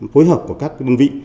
phối hợp của các đơn vị